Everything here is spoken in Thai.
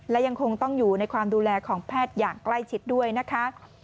และยังคงต้องอยู่ในความดูแลของแพทย์อย่างใกล้ชิดด้วยนะคะ